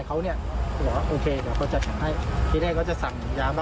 ก็ได้สั่งยาไข้๘กิโลกรัม